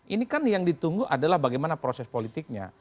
ini kan yang ditunggu adalah bagaimana proses politiknya